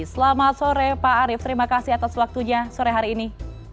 selamat sore pak arief terima kasih atas waktunya sore hari ini